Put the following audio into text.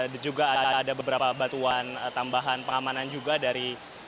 dan juga ada beberapa bantuan tambahan pengamanan juga dari